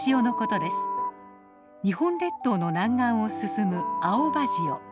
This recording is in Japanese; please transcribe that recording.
日本列島の南岸を進む青葉潮。